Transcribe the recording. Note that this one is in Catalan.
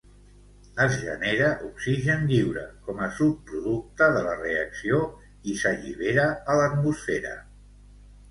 Es genera oxigen lliure com a subproducte de la reacció i s'allibera a l'atmosfera.